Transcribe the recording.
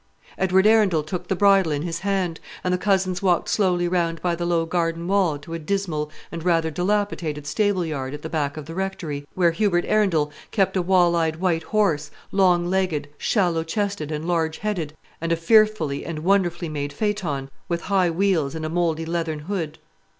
Edward Arundel took the bridle in his hand, and the cousins walked slowly round by the low garden wall to a dismal and rather dilapidated stable yard at the back of the Rectory, where Hubert Arundel kept a wall eyed white horse, long legged, shallow chested, and large headed, and a fearfully and wonderfully made phaëton, with high wheels and a mouldy leathern hood.